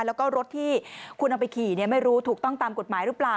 แล้วก็รถที่คุณเอาไปขี่ไม่รู้ถูกต้องตามกฎหมายหรือเปล่า